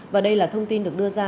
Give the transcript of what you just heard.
và đây là thông tin được đưa ra